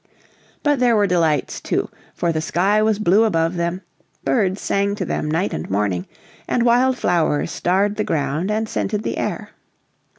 But there were delights, too, for the sky was blue above them: birds sang to them night and morning, and wild flowers starred the ground and scented the air.